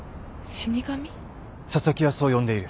紗崎はそう呼んでいる。